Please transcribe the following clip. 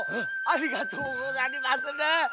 ありがとうござりまする。